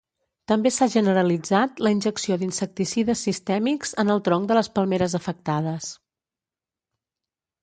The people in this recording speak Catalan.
També s'ha generalitzat la injecció d'insecticides sistèmics en el tronc de les palmeres afectades.